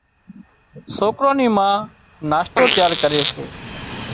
سوڪران نِي ما ناشتو تيار ڪري سي۔